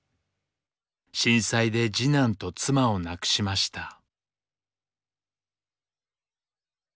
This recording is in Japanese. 震災で次男と妻を亡くしました。